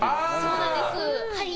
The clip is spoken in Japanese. そうなんです。